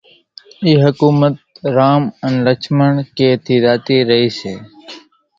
اِي حڪُومت رام انين لڇمڻ ڪنين ٿِي زاتِي رئيَ سي،